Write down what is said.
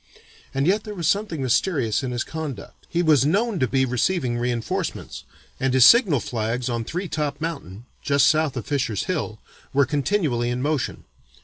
And yet there was something mysterious in his conduct. He was known to be receiving reinforcements, and his signal flags on Three top Mountain (just south of Fisher's Hill) were continually in motion.